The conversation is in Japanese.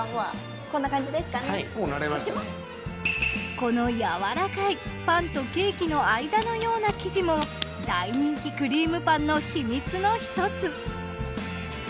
この柔らかいパンとケーキの間のような生地も大人気くりーむパンの秘密のひとつ。